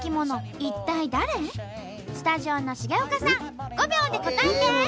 スタジオの重岡さん５秒で答えて！